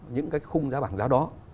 những cái khung giá bảng giá đó